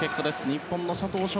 日本の佐藤翔